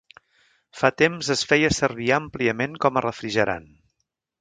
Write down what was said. Fa temps es feia servir àmpliament com a refrigerant.